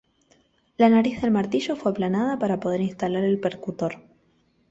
La nariz del martillo fue aplanada para poder instalar el percutor.